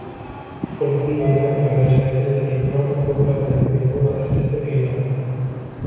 قل كل يعمل على شاكلته فربكم أعلم بمن هو أهدى سبيلا